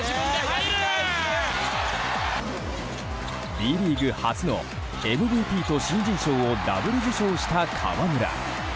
Ｂリーグ初のＭＶＰと新人賞をダブル受賞した河村。